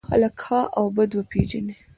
خلک ښه او بد وپېژني.